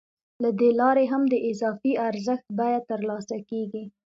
له دې لارې هم د اضافي ارزښت بیه ترلاسه کېږي